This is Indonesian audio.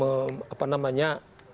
mem apa namanya